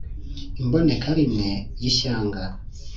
imbonekarimwe y’ishyanga